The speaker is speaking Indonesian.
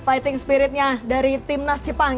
fighting spiritnya dari tim nas jepang